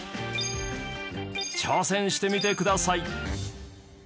挑戦してみてください。